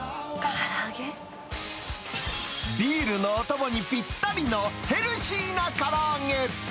ビールのお供にぴったりのヘルシーなから揚げ。